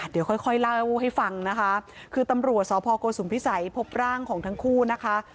เดี๋ยวค่อยค่อยเล่าให้ฟังนะคะคือตำรวจสพโกสุมพิสัยพบร่างของทั้งคู่นะคะ